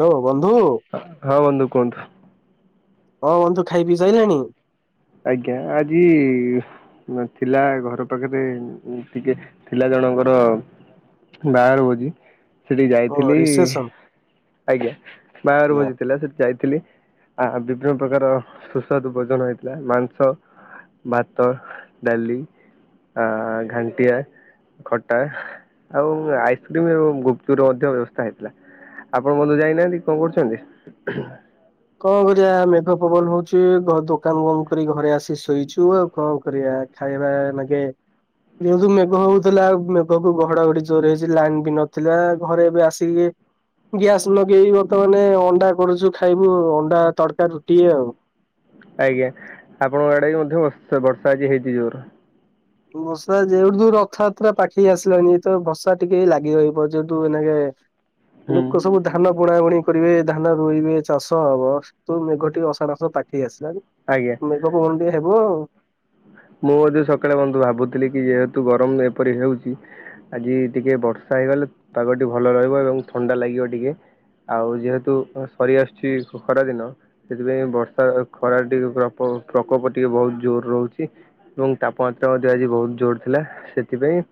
Hello ବନ୍ଧୁ ହଁ ବନ୍ଧୁ କୁହନ୍ତୁ। ହଁ ବନ୍ଧୁ ଖାଇପିଇ ସାରିଲେଣି? ଆଜ୍ଞା ଆଜି ଥିଲା ଘର ପାଖରେ ଟିକେ ଥିଲା ଜଣଙ୍କର ବାହାର ଭୋଜି। ସେଠିକି ଓ ଯାଇଥିଲି ରିସେସନ ଆଜ୍ଞା ବାହାଘର ୟା ଭୋଜିଥିଲା ସେଠି ଯାଇଥିଲି। ଆ ବିଭିନ୍ନ ପ୍ରକାର ସୁସ୍ୱାଦୁ ଭୋଜନ ହେଇଥିଲା ମାଂସ ଭାତ ଡାଲି ଆ ଘଣ୍ଟିଆ ଖଟା ଆଉ ଆଇସ୍କ୍ରିମ ଗୁପଚୁପର ମଧ୍ୟ ବ୍ୟବସ୍ଥା ହେଇଥିଲା। ଆପଣ ବନ୍ଧୁ ଯାଇନାହାନ୍ତି କଣ କରୁଛନ୍ତି? କଣ କରିବା ମେଘ ପବନ ହଉଛି ଘ ଦୋକାନ ବନ୍ଦ କରି ଘରେ ଆସି ଶୋଇଛୁ ଆଉ କଣ କରିବା। ଖାଇବା ମାଗେ ଯେହେତୁ ମେଘ ହଉଥିଲା ମେଘ କୁ ଘଡଘଡି ଜୋର ହେଇଛି ଲାଇନ ବି ନଥିଲା ଘରେ ଏବେ ଆସିକି ଗ୍ୟାସ୍ ଲଗେଇକି ବର୍ତ୍ତମାନ ଅଣ୍ଡା କରୁଛୁ ଖାଇବୁ ଆଉ ଅଣ୍ଡା ତଡକା ରୁଟି ଆଉ। ଆଜ୍ଞା ଆପଣଙ୍କ ଆଡେ ବି ମଧ୍ୟ ବର୍ଷ ବର୍ଷା ଆଜି ହେଇଛି ଜୋର। ବର୍ଷା ଜେହେତୁ ରଥଯାତ୍ରା ପାଖେଇ ଆସିଲାଣୀ ତ ବର୍ଷା ଟିକେ ଲାଗି ରହିବ ଯେହେତୁ ଏନାକେ ହୁଁ। ଲୋକ ସବୁ ଧାନ ବୁଣା ବୁଣି କରିବେ ଧାନ ରୋଇବେ ଚାଷ ହବ ସେଇଠୁ ମେଘ ଟିକେ ଅଷାଢ଼ ମାସ ପାଖେଇ ଆସିଲାଣି। ଆଜ୍ଞା। ମେଘକୁ ଗଣ୍ଡିଆ ହେବ ଆଉ। ମୁଁ ମଧ୍ୟ ସକାଳେ ବନ୍ଧୁ ଭାବୁଥିଲି କି ଯେହେତୁ ଗରମ ଏପରି ହେଉଛି ଆଜି ଟିକେ ବର୍ଷା ହେଇଗଲେ ପାଗଟି ଭଲ ରହିବ ଏବଂ ଥଣ୍ଡା ଲାଗିବ ଟିକେ। ଆଉ ଯେହେତୁ ସରି ଆସୁଛି ଖ ଖରା ଦିନ ସେଥିପାଇଁ ବର୍ଷା ଖରା ଟିକେ ପ୍ରପ ପ୍ରକୋପ ଟିକେ ବହୁତ ଜୋର ରହୁଛି। ଏବଂ ତାପମାତ୍ରା ମଧ୍ୟ ଆଜି ବହୁତ ଜୋର ଥିଲା ସେଥିପାଇଁ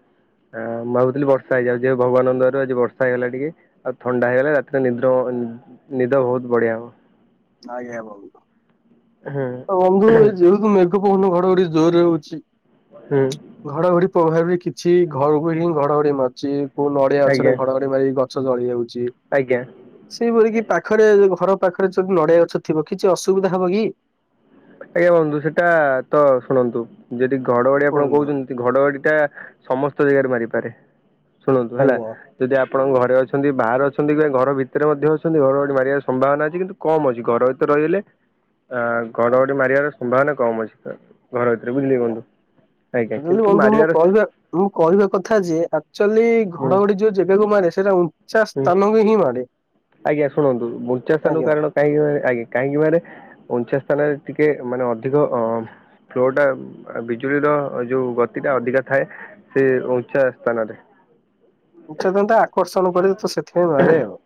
ହଁ ମୁଁ ଭାବୁଥିଲି ବର୍ଷା ହେଇଯାଉ ଯେ ଭଗବାନଙ୍କ ଦୟାରୁ ଆଜି ବର୍ଷା ହେଇଗଲା ଟିକେ। ଆଉ ଥଣ୍ଡା ହେଇଗଲେ ରାତିରେ ନିଦ ନିଦ ବହୁତ ବଢିଆ ହବ। ଆଜ୍ଞା ବନ୍ଧୁ ତ ବନ୍ଧୁ ହୁଁ ଯଉ ମେଘ ପବନ ଘଡଘଡ଼ି ଜୋରରେ ହୋଉଛି। ହୁଁ। ଘଡଘଡି ପ୍ରଭାବରେ କିଛି ଘରକୁ ହିଁ ଘଡଘଡି ମାରୁଛି କୋଉ ନଡିଆ ଆଜ୍ଞା ଗଛରେ ଘଡଘଡି ମାରି ଗଛ ଜଳିଯାଉଛି। ଆଜ୍ଞା। ସେଇଭଳି କିି ପାଖରେ ଘର ପାଖରେ ଯୋଉ ନଡିଆ ଗଛ ଥିବ କିଛି ଅସୁବିଧା ହବ କି? ଆଜ୍ଞା ବନ୍ଧୁ ସେଟା ତ ଶୁଣନ୍ତୁ ଯଦି ଘଡଘଡି ଆପଣ କୁହନ୍ତୁ? କହୁଛନ୍ତି ଘଡଘାଡି ଟା ସମସ୍ତ ଜାଗାରେ ମାରିପାରେ ଶୁଣନ୍ତୁ ହେଲା ଆଜ୍ଞା। ଯଦି ଆପଣଙ୍କ ଘରେ ଅଛନ୍ତି ବାହାରେ ଅଛନ୍ତି କିମ୍ବା ଘର ଭିତରେ ମଧ୍ୟ ଅଛନ୍ତି ଘଡଘଡି ମାରିବା ସମ୍ଭାବନା ଅଛି କିନ୍ତୁ କମ ଅଛି ଘର ଭତ ରହିଗଲେ ଆ ଘଡଘଡି ମାରିବାର ସମ୍ଭାବନା କମ ଅଛି ବୁଲି ଗଣ୍ଡୁ [unintelligible] ଲେ ବନ୍ଧୁ ହ କଲ [unintelligible] ମୁଁ କହିବା କଥା ଯେ ଆକ୍ଚୁଆଲି ହୁଁ ଘଡଘଡି ଯୋଉ ଜାଗାକୁ ମାରେ ସେଟା ଉଚ୍ଚା ହୁଁ। ସ୍ଥାନ କୁ ହିଁ ମାଡ଼େ। ଆଜ୍ଞା ଶୁଣନ୍ତୁ ବୁଚା ସଲୁ [unintelligible] କାରଣ କାହିଁକି ମ ଆଜ୍ଞା କାହିଁକି ମାରେ ଉଞ୍ଚା ସ୍ଥାନରେ ଟିକେ ମାନେ ଅଧିକ ଅ ଫ୍ଲୋଟା ବିଜୁଳିର ଯୋଉ ଗତି ଟା ଅଧିକା ଥାଏ। ସେ ଉଞ୍ଚାସ୍ତାନରେ। ଉଞ୍ଚା ସ୍ଥାନ ଆକର୍ଷଣ କରେ ତ ସେଥିପାଇଁ ମାରେ ଆଉ।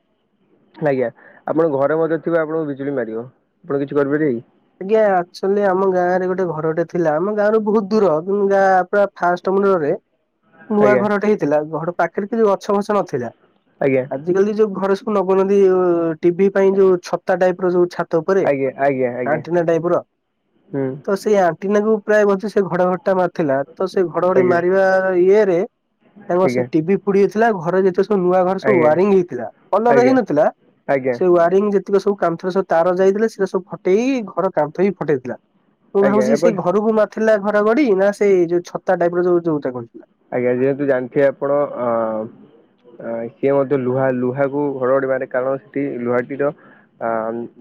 ଆଜ୍ଞା ଆପଣଙ୍କ ଘରେ ମଧ୍ୟ ଥିବ ଆପଣଙ୍କୁ ବିଜୁଳି ମାରିବ ଆପଣ କିଛି କରିପାରିବେକି। ଆଜ୍ଞା ଆକଚୁଆଲି ଆମ ଗାଁ ରେ ଗୋଟେ ଘରଟେ ଥିଲା ଆମ ଗାଁ ରୁ ବହୁତ ଦୂର କିନ୍ତୁ ଗାଁ ପୁରା ଫାଷ୍ଟ ମୁଣ୍ଡରେ ନୂଆ ଆଜ୍ଞା ଘରଟେ ହେଇଥିଲା ଘଡ ପାଖରେ କିଛି ଗଛ ଫଛ ନଥିଲା। ଆଜ୍ଞା ଆଜିକାଲି ଯୋଉ ଘରେ ସବୁ ଲଗଉନାହାନ୍ତି ଟିଭି ପାଇଁ ଯୋଉ ଛତା ଟାଇପ ର ଯୋଉ ଛାତ ଉପରେ ଆଜ୍ଞା ଆଜ୍ଞା। ଆଜ୍ଞା ଆଣ୍ଟିନା ଟାଇପର ହୁଁ। ତ ସେ ସେ ଆଣ୍ଟିନାକୁ ପ୍ରାୟ ବୋଧେ ସେ ଘଡଘଡ଼ି ଟା ମାରିଥିଲା ତ ସେ ଘଡଘଡି ଆଜ୍ଞା ମାରିବା ଇଏରେ ଆଜ୍ଞା ତାଙ୍କ ସେ ଆଜ୍ଞା ଟିଭି ପୁଡିଯାଇଥିଲା ଘରେ ଯେତେ ସବୁ ନୂଆ ଘର ସବୁ ଆଜ୍ଞା ୱାରିଙ୍ଗ ହେଇଥିଲା କଲର ଆଜ୍ଞା ହେଇନଥିଲା ଆଜ୍ଞା ସେ ୱାରିଙ୍ଗ ଯେ ତିକ ସବୁ କାନ୍ଥରେ ସବ ତାର ଯାଇଥିଲେ ସୋ ସବୁ ଫଟେଇ ଘର କାନ୍ଥ ବି ଫଟେଇଥିଲା। ମୁଁ ଆଜ୍ଞା ଭାବୁଛି ସେଇ ଏପରି ଘରକୁ ମାରିଥିଲା ଘଡଘଡି ନା ସେଇ ଯୋଉ ଛତା ଟାଇପ ର ଯୋଉ ଯୋଉଟା କୁହନ୍ତି। ଆଜ୍ଞା ଯେହେତୁ ଜାଣିଥିବେ ଆପଣ ଅ କିଏ ମଧ୍ୟ ଲୁହା ଲୁହାକୁ ଘଡଘଡି ମାରେକାରଣ ସେଠି ଲୁହାଟିର ଆ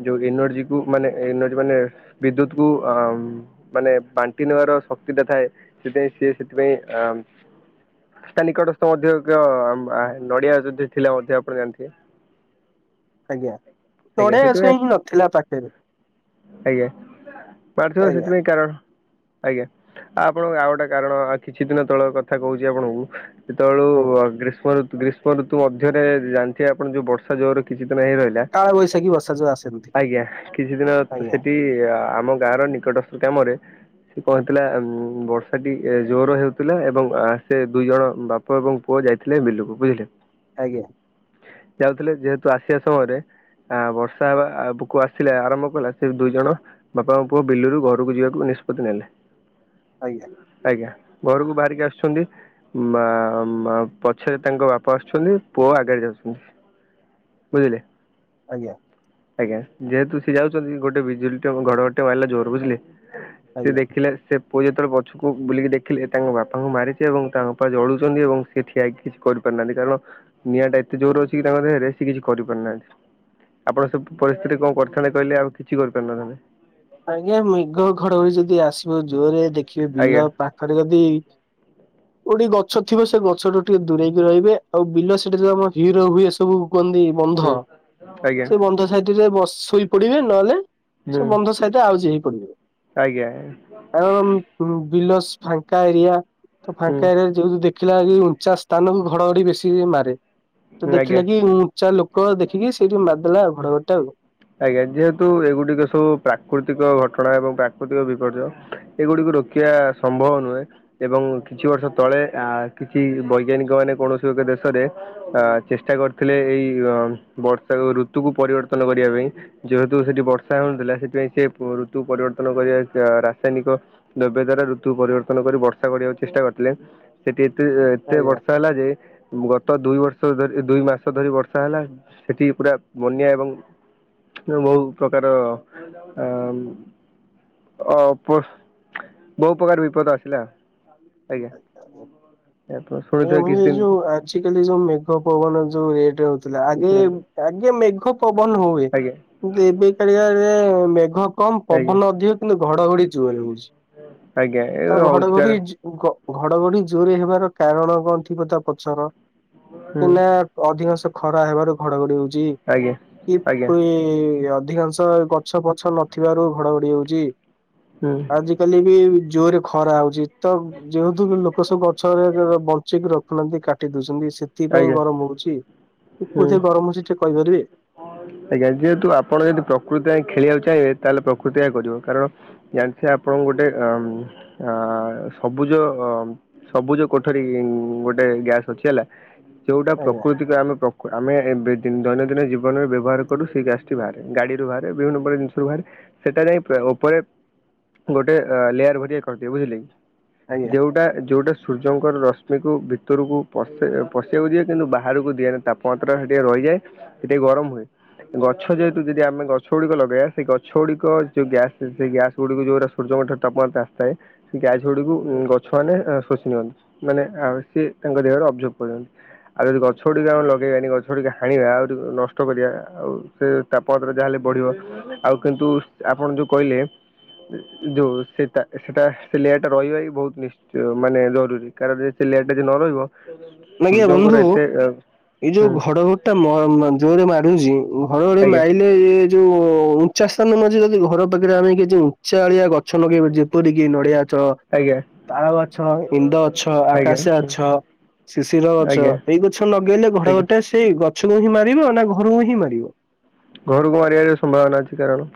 ଯୋଉ ଏନର୍ଜିକୁ ମାନେ ଏନର୍ଜି ମାନେ ବିଦ୍ୟୁତ କୁ ମାନେ ବାଣ୍ଟି ନେବାର ଶକ୍ତିଟା ଥାଏ ସେଥିପାଇଁ ସିଏ ସେଥିପାଇଁ ଅ ରାସ୍ତା ନିକଟସ୍ଥ ମଧ୍ୟ ନଡିଆ ଯଦି ଥିଲା ମଧ୍ୟ ଆପଣ ଜାଣିଥିବେ। ଆଜ୍ଞା ଆଜ୍ଞା ନଢିଆ ଗଛ ସେଥିପାଇଁ ନଥିଲା କାଇଁ ପାଖରେ। ଆଜ୍ଞା ମାରିଥିବ ଆଜ୍ଞା ସେଥିପାଇଁ କାରଣ। ଆଜ୍ଞା ଆଉ ଆପଣଙ୍କ ଆଉ ଗୋଟେ କାରଣ ଆଉ କିଛି ଦିନ ତଳର କଥା କହୁଛି ଆପଣଙ୍କୁ। ସେତେବେଳୁ ଆଜ୍ଞା ଗ୍ରୀଷ୍ମ ରୂ ଗ୍ରୀଷ୍ମ ଋତୁ ମଧ୍ୟରେ ଜାଣିଥିବେ ଆପଣ ଯୋଉ ବର୍ଷା ଜୋରେ କିଛି ଦିନ ହେଇ ରହିଲା। କାଳ ବୈଶାଖୀ ବର୍ଷା ଯୋଉ ଆସନ୍ତି। ଆଜ୍ଞା କିଛି ଦିନ ଆଜ୍ଞା ସେଠି ଆମ ଗାଁର ନି ିକ କାମରେ [inaudible] ସେ କଣ ହେଇଥିଲା ଉ ବର୍ଷାଟି ଜୋର ହେଉଥିଲା ଏବଂ ସେ ଦୁଇ ଜଣ ବା ବାପା ଏବଂ ପୁଅ ଯାଇଥିଲେ ବିଲକୁ ବୁଝିଲେ। ଆଜ୍ଞା। ଯାଉଥିଲେ ଯେହେତୁ ଆସିବା ସମୟରେ ଆ ବର୍ଷା ହେବା ବୁକୁ ଆସିଲା ଆରମ୍ଭ କଲା ସେ ଦୁଇ ଜଣ ବାପା ଓ ପୁଅ ବିଲୁରୁ ଘରକୁ ଯିବାକୁ ନିଷ୍ପତ୍ତି ନେଲେ। ଆଜ୍ଞା। ଆଜ୍ଞା ଘରକୁ ବାହାରିକି ଆସୁଛନ୍ତି ମା ପଛରେ ତାଙ୍କ ବାପା ଆସୁଛନ୍ତି, ପୁଅ ଆଗରେ ଯାଉଛନ୍ତି। ବୁଝିଲେ? ଆଜ୍ଞା। ଆଜ୍ଞା! ଯେହେତୁ ସିଏ ଯାଉଛନ୍ତି, ଗୋଟେ ବିଜୁଳି ଟେ ଘଡଘଡ଼ି ଟେ ମାରିଲା ଜୋରେ। ବୁଝିଲେ? ସେ ଆଜ୍ଞା ଦେଖିଲେ, ସେ ପୁଅ ଯେତେବେଳେ ପଛକୁ ବୁଲିକି ଦେଖିଲେ, ତାଙ୍କ ବାପାଙ୍କୁ ମାରିଛି ଏବଂ ତାଙ୍କ ବାପା ଜଳୁଛନ୍ତି। ଏବଂ ସେ ଠିଆ ହେଇକି କିଛି କରି ପାରଲାନି। କାରଣ ନିଆଁ ଟା ଏତେ ଜୋରେ ଅଛି କି ତାଙ୍କ ଦେହରେ ସେ କିଛି କରିପାରୁିନାହାନ୍ତି। ଆପଣ ସେ ପରିସ୍ଥିତି ରେ କଣ କରିଥାନ୍ତେ, କହିଲେ? ଆଉ କିଛି କରିପାରିନଥାନ୍ତେ। ଆଜ୍ଞା ମେଘ ଘଡଘଡି ଯଦି ଆସିବ ଜୋରେ ଦେଖିବେ ବିଲ ଆଜ୍ଞା ପାଖରେ ଯଦି [inaudible] କୋଉଠି ଗଛ ଥିବ, ସେ ଗଛ ଟୁ ଟିକେ ଦୂରେଇକି ରହିବେ, ଆଉ ବିଲ ସେଟା ଯୋଉ ଆମର ହୀର ହୁଏ, ସବୁ କୁହନ୍ତି ବନ୍ଧ ହୁଁ ଆଜ୍ଞା ସେ ବନ୍ଧ ସାଇଟରେ ବ ଶୋଇପଡିବେ ନହେଲେ ହୁଁ ସେ ବନ୍ଧ ସାଇଟରେ ଆଉଜି ହେଇ ପଡିବେ। ଆଜ୍ଞା କାର ବିଲସ ଫାଙ୍କା ଏରିଆ ତ ହୁଁ ଫାଙ୍କା ଏରିଆ ଯୋଉ ଦେଖିଲା କି ଉଞ୍ଚା ସ୍ଥାନକୁ ଘଡଘଡି ବେଶୀ ମାରେ ତ ଆଜ୍ଞା ଦେଖିଲା କିି ଉଞ୍ଚା ଲୋ କ ଦେଖିକି ସେଇଠି ମାରଦେଲାଉ ଘଡ ଘଡିଟା ଆଉ। ଆଜ୍ଞା ଯେହେତୁ ଏଗୁଟିକ ସବୁ ପ୍ରାକୃତିକ ଘଟଣା ଏବଂ ପ୍ରାକୃତିକ ବିପର୍ଯ୍ୟୟ ଏଗୁଡିକୁ ରୋକିବା ସମ୍ଭବ ନୁହେଁ। ଏବଂ କିଛି ବର୍ଷ ତଳେ ଆ କିଛି ବୈଜ୍ଞାନିକ ମାନେ କୌଣସି ଗୋଟେ ଦେଶରେ ଅ ଚେଷ୍ଟା କରିଥିଲେ ଏଇ ଅ ବର୍ଷା ଋତୁକୁ ପରିବର୍ତ୍ତନ କରିବା ପାଇଁ। ଯେହେତୁ ସେଠି ବର୍ଷା ହେଉନଥିଲା ସେଥିପାଇଁ ସେ ଋତୁ ପରିବର୍ତ୍ତନ କରିବା ରାସାୟନିକ ଦବ୍ୟ ଦ୍ଵାରା ଋତୁ ପରିବର୍ତ୍ତନ କରି ବର୍ଷା କରିବାକୁ ଚେଷ୍ଟା କରିଥିଲେ। ସେଠି ଏତେ ଏତେ ବର୍ଷା ହେଲା ଯେ ଗତ ଦୁଇ ବର୍ଷ ଧରି ଦୁଇ ମାସ ଧରି ବର୍ଷା ହେଲା ସେଠିକି ପୁରା ବନ୍ୟା ଏବଂ ବହୁ ପ୍ରକାର ଆ ଅ ପସ୍ ବହୁ ପ୍ରକାର ବିପଦ ଆସିଲା। ଆଜ୍ଞା। ଆଜ୍ଞା। ୟାପୋସ୍ ଏଇ ମୁଁ ଏଇ ଯେଉ ଆ ଆଜି କାଲି ଯୋଉ ମେଘ ପବନ ଯୋଉ ରେଟ୍ ରେ ହଉଥିଲା ଆଗେ ହୁଁ ଆଗେ ମେଘ ପବନ ହଉ ହୁଏ ଆଜ୍ଞା କିନ୍ତୁ ଏବେ କାଳିଆ ଯେ ମେଘ କମ୍ ଆଜ୍ଞା ପବନ ଅଧିକ କିନ୍ତୁ ଘଡ଼ଘଡ଼ି ଜୋରେ ହଉଚି ଆଜ୍ଞା ଏ ତ ହଉଛି ଘଡ଼ଘଡ଼ି କାରଣ ଗ ଘଡ଼ଘଡ଼ି ଜୋରେ ହେବାର କାରଣ କଣ ଥିବ ତା ପଛର ହୁଁ କି ନା ଅଧିକାଂଶ ଖରା ହେବାରୁ ଘଡ଼ଘଡ଼ି ହଉଛି ଆଜ୍ଞା ଆଜ୍ଞା କିପି ଅଧିକାଂ ଶ ଗଛ ପଛ ନଥିବାରୁ ଘଡ଼ଘଡ଼ି ଯାଉଚି। ହୁଁ। ଆଜ କାଲି ବି ଜୋରେ ଖରା ହଉଛି ତ ଯେହେତୁ ଲୋକ ସବୁ ଗଛରେ ବ କିଛିବି ରଖୁନାହାନ୍ତି କାଟି ଦଉଛନ୍ତି ସେଥିପାଇଁ ଆଜ୍ଞା ଗରମ ହଉଛି ହୁଁ। କୋଉଥିପାଇଁ ଗରମ ହଉଛି ଟିକେ କହିପାରିବେ? ଆଜ୍ଞା ଯେହେତୁ ଆପଣ ଯଦି ପ୍ରକୃତି ପାଇଁ ଖେଳିବାକୁ ଚାହିଁବେ ତାହେଲେ ପ୍ରକୃତି ଆ କରିବ କାରଣ ଜାଣିଥିବେ ଆପଣ ଗୋଟେ ଅମ- ଆ- ସବୁଜ ଅ ସବୁଜ କୋଠରୀ ଗୋଟେ ଗ୍ୟାସ୍ ଅଛି ହେଲା। ଯୋଉଟା ଆଜ୍ଞା ପ୍ରକୃତିକ ଆମେ ପ୍ର ଆମେ ଏବେ ଦୈନନ୍ଦିନ ଜୀବ ଜୀବନରେ ବ୍ୟବହାର କରୁ ସେଇ ଗ୍ୟାସ୍ ଟି ବାହାରେ ଗାଡ଼ିରୁ ବାହାରେ ବିଭିନ୍ନ ପ୍ରକାର ଜିନିଷରୁ ବାହାରେ। ସେଟା ଯାଇ ଉପରେ ଗୋଟେ ଲେୟାର ଭରିଆ କରିଦିଏ ବୁଝିଲେ କି? ଆଜ୍ଞା ଯେଉଟା ଯେଉଟା ସୂର୍ଯ୍ୟଙ୍କର ରଶ୍ମିକୁ ଭିତରକୁ ପଶି ପଶିବାକୁ ଦିଏ କିନ୍ତୁ ବାହାରକୁ ଦିଏନି ତାପ ପତ୍ରା ହେଟିଆ ରହିଯାଏ ସେଠି ଗରମ ହୁଏ। ଗଛ ଯେହେତୁ ଯଦି ଆମେ ଗଛ ଗୁଡ଼ିକ ଲଗେଇବା ସେଇ ଗଛ ଗୁଡ଼ିକ ଯୋଉ ଗ୍ୟାସ୍ ସେ ଗ୍ୟାସ୍ ଗୁଡ଼ିକ ଯୋଉରା ସୂର୍ଯ୍ୟଙ୍କ ଠାରୁ ତାପମାତ୍ର ଆସିଥାଏ। ସେ ଗ୍ୟାସ୍ ଗୁଡ଼ିକୁ ଗଛ ମାନେ ଶୋଷି ନିଅନ୍ତି ମାନେ ଆ ସିଏ ତାଙ୍କ ଦେହରେ ଅବଜର୍ଭ କରନ୍ତି। ଆଉ ଯଦି ଗଛ ଗୁଡ଼ିକ ଆମ ଲଗେଇବାନି ଗଛ ଗୁଡ଼ିକ ହଣିବା ଆଉ ନଷ୍ଟ କରିବା ଆଉ ସେ ତାପମାତ୍ରା ଯାହାହଲେ ବଢ଼ିବ ଆଉ କିନ୍ତୁ ଆପଣ ଯୋଉ କହିଲେ ଯୋଉ ସେଟା ସେଟା ସେ ଲେଆରଟା ରହିବା ବହୁତ ନି ମାନେ ଜରୁରୀ କାରଣ ଲେନ ଟା ଯଦି ନରହିବ ଆଜ୍ଞା ବନ୍ଧୁ ଏଇ ଯୋଉ ହୁଁ ଘଡ଼ଘ ଟା ମ ଜୋରରେ ମାରୁଚି ଘଡ଼ଘଡ଼ି ଆଜ୍ଞା ମାଇଲେ ଯୋଉ ଉଚା ସ୍ଥାନ ମଧ୍ୟ ଯଦି ଘର ପାଖରେ ଆମେ କିଛି ଉଚା ଆଳିଆ ଗ ଛ ଲଗେଇବା ଯେପରିକି ନଡ଼ିଆ ଗଛ ଆଜ୍ଞା। ତାଳ ଗଛ ଇନ୍ଦ ଗଛ ଆଜ୍ଞା ଆକାଶିଆ ହୁଁ ଗଛ ଶିର ଗଛ ଆଜ୍ଞା ଏଇ ଗଛ ଲଗେଇଲେ ଆଜ୍ଞା ଘଡ଼ଘଡ଼ି ଟା ସେଇ ଗଛକୁ ହିଁ ମାରିବ ନା ଘରକୁ ହିଁ ମାରିବ। ଘରକୁ ମାରିବାର ସମ୍ଭାବନା ଅଛି କାରଣ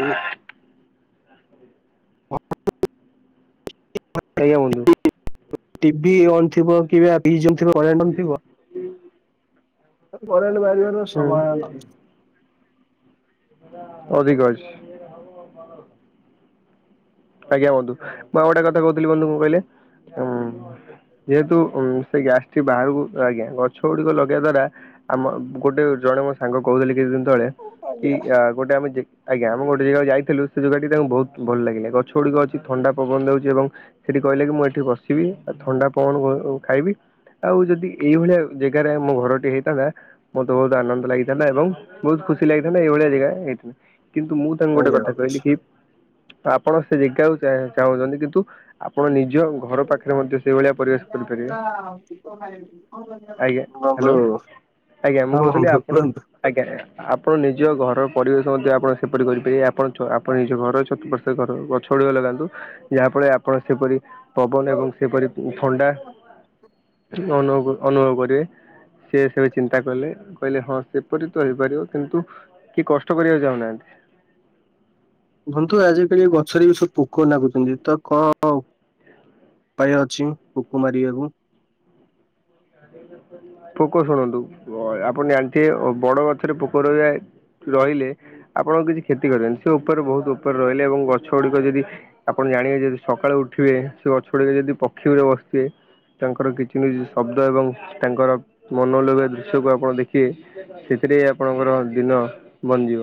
ହୁଁ। ଆଜ୍ଞା ବନ୍ଧୁ। ଟିଭି ଅନ୍ ଥିବ କିବା ଫିଜ୍ ଅନ୍ ଥିବ [unintelligible] ଥିବ। କରେଣ୍ଟେ ମାରିବାର ସମ୍ଭାବନା ଅଛି। ହୁଁ ଅଧିକଅଛି। [unintelligible] ଆଜ୍ଞା ବନ୍ଧୁ ମୁଁ ଆଉ ଗୋଟେ କଥା କହୁଥିଲି ବନ୍ଧୁ କଣ କହିଲେ ଉ ଯେହେତୁ ଉ ସେ ଗ୍ୟାସ୍ ସେଠ ବାହାରକୁ ଆଜ୍ଞା ଗଛ ଗୁଡିକ ଲଗେଇବା ଦ୍ଵାରା ଆମ ଗୋଟେ ଜଣେ ମ ସାଙ୍ଗ କହୁଥିଲି କିଛି ଦିନ ତଳେ କି ଆଜ୍ଞା ଗୋଟେ ଆମ ଆଜ୍ଞା ଆମ ଗୋଟେ ଜାଗା ଯାଇଥିଲୁ ସେ ଜାଗାଟି ତାଙ୍କୁ ବହୁତ ଭଲ ଲାଗିଲା ଛୁଡ଼ିକ ଅଛି ଥଣ୍ଡା ପବନ ଦେଉଛି ଏବଂ ସେଠି କହିଲେ କି ମୁଁ ଏଠି ବସିବି ଆଉ ଥଣ୍ଡା ପଣ ଖାଇବି ଆଉ ଯଦି ଏଇଭଳିଆ ଜାଗାରେ ମୋ ଘରଟି ହେଇଥାନ୍ତା ମତେ ବହୁତ ଆନନ୍ଦ ଲାଗିଥାନ୍ତା ଏବଂ ବହୁତ ଖୁସି ଲାଗିଥାନ୍ତା ଏଇଭଳିଆ ଜାଗା ଏଇିନ କିନ୍ତୁ ମୁଁ ଙ୍କୁ ଗୋଟେ ଆଜ୍ଞା କଥା କହିଲି କି ଆପଣ ସେ ଜାଗାକୁ ଚାହୁଁଛନ୍ତି କିନ୍ତୁ ଆପଣ ନିଜ ଘର ପାଖରେ ମଧ୍ୟ ସେଇଭଳିଆ ପରିବେଶ କରିପାରିବେ ଆଜ୍ଞା ହ୍ୟାଲୋ ବନ୍ଧୁ ଆଜ୍ଞା ମୁଁ ହଁ କହୁଥିଲି ବନ୍ଧୁ ଆପଣ କୁହନ୍ତୁ। ଆଜ୍ଞା ଆପଣ ନିଜ ଘର ପରିବେଶ ମଧ୍ୟ ଆପଣ ସେପରି କରିପାରିବେ ଆପଣ ଆପଣ ନିଜ ଘର ଛତୁ ଗଛ ଅଆ ଲଗାନ୍ତୁ ଯାହାଫଳରେ ଆପଣ ସେପରି ପବନ ଏବଂ ସେପରି ଫଣ୍ଡା ଅନୁଭବ ଅନୁଭବ କରିବେ ସେ ସେ ଚିନ୍ତା କଲେ କହିଲେ ହଁ ସେପରି ତ ହେଇପାରିବ କିନ୍ତୁ କି କଷ୍ଟ କରିବାକୁ ଚାହୁନାହାନ୍ତି ହୁନ୍ତୁ ଆଜିକାଲି ଗଛରେ ବି ସବୁ ପୋକ ନାଗୁଛନ୍ତି ତ କଣ ଉପାୟ ଅଛି କୋକ ମାରିବାକୁ ପୋକ ଶୁଣନ୍ତୁ ଆପଣ ଜାଣିଥିବେ ବଡ ଗଛରେ ପୋକ ରହିଯାଏ ରହିଲେ ଆପଣ କିଛି କ୍ଷତି କରିବେନି ସେ ଉପରେ ବହୁତ ଉପରେ ରହିଲେ ଏବଂ ଗଛ ଗୁଡିକ ଯଦି ଆପଣ ଜାଣିବେ ଯଦି ସକାଳେୁ ଉଠିବେ ସେ ଗଛ ଗୁଡିକେ ଯଦି ପକ୍ଷୀ ଉପରେ ବସଥିବେ ତାଙ୍କର କିଛିଛି ଶବ୍ଦ ଏବଂ ତାଙ୍କର ମନ ଲଗବା ଦୃଶ୍ୟକୁ ଆପଣ ଦେଖିବେ ସେଥିରେ ଆପଣଙ୍କର ଦିନ ବନ୍ଦଯିବ।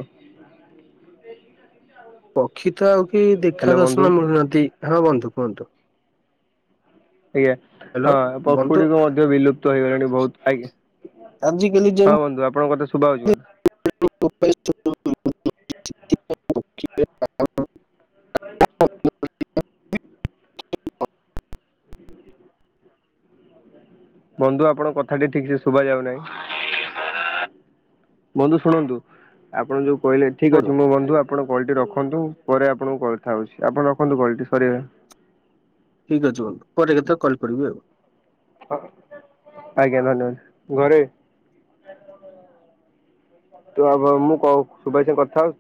ପକ୍ଷୀ ତ ଆଉ କି ଦେଖା ହ୍ୟାଲୋ ବନ୍ଧୁ ଦର୍ଶନ ମିଳୁନାହାନ୍ତି ହଁ ବନ୍ଧୁ କୁହନ୍ତୁ। ଆଜ୍ଞା ହଁ ହ୍ୟାଲୋ। ବନ୍ଧୁ ପଖୁଡିୀକୁ ମଧ୍ୟ ବିଲୁପ୍ତ ହେଇଗଲାଣି ବହୁତ ଆଜ୍ଞା ଆଜିକାଲି ହଁ। ଯେମିତି ବନ୍ଧୁ ଆପଣଙ୍କ କଥା ଶୁଭ ହଉଛି ବନ୍ଧୁ। [unintelligible] [inaudible] ବନ୍ଧୁ ଆପଣଙ୍କ କଥାଟି ଠିକ୍ ସେ ଶୁଭ ଯାଉନାହିଁ [unintelligible] ବନ୍ଧୁ ଶୁଣନ୍ତୁ ଆପଣ ଯୋଉ କହିଲେ ଠିକ୍ ଅଛି ମୁଁ ବନ୍ଧୁ ଆପଣ କଲଟି ରଖନ୍ତୁ ପରେ ଆପଣଙ୍କୁ କଥା ହେଉଛି ଆପଣ ରଖନ୍ତୁ କଲ୍ଟି ସରିିବେ। ଠିକ୍ ଅଛି ବନ୍ଧୁ ପରେ କେତେବେଳେ କଲ୍ କରିବି ଆଉ। ହଁ, ଆଜ୍ଞା ଧନ୍ୟବାଦ ଘରେ। [inaudible] ତ ରଖ୍ ମୁଁ କ ସବୁ ଭାଇ ସାଙ୍ଗ କଥା ହଉୁ [unintelligible]